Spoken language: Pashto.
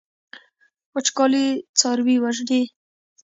وچکالي څاروي وژني.